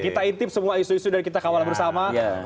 kita intip semua isu isu dan kita kawal bersama